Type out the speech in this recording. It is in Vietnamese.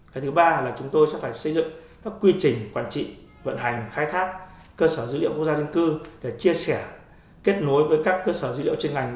cái thứ ba là chúng tôi sẽ phải xây dựng các quy trình quản trị vận hành khai thác cơ sở dữ liệu quốc gia dân cư để chia sẻ kết nối với các cơ sở dữ liệu trên ngành